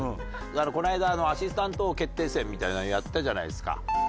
この間のアシスタント王決定戦みたいなのやったじゃないですか。